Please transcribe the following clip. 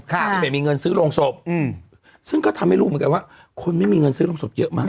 ซึ่งไม่มีเงินซื้อโรงศพซึ่งก็ทำให้รู้เหมือนกันว่าคนไม่มีเงินซื้อโรงศพเยอะมาก